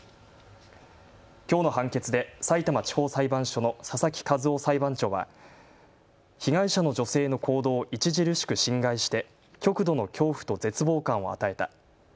きょうの判決でさいたま地方裁判所の佐々木一夫裁判長は被害者の女性の行動を著しく侵害して極度の恐怖と絶望感を与えた。